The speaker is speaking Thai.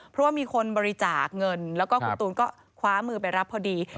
เพราะว่ามีคนบริจาคเงินแล้วก็คุณตูนก็คว้ามือไปรับพอดี